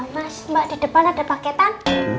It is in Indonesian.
mas mbak di depan ada paketan